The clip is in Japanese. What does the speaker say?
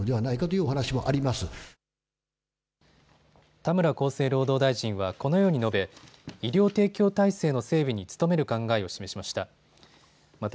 田村厚生労働大臣はこのように述べ、医療提供体制の整備に努める考えを示しました。